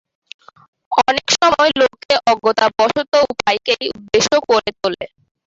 অনেক সময় লোকে অজ্ঞতাবশত উপায়কেই উদ্দেশ্য করে তোলে।